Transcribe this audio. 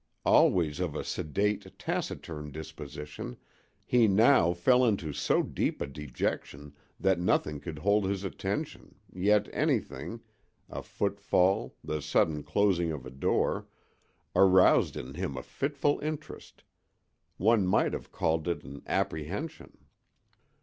Always of a sedate, taciturn disposition, he now fell into so deep a dejection that nothing could hold his attention, yet anything—a footfall, the sudden closing of a door—aroused in him a fitful interest; one might have called it an apprehension.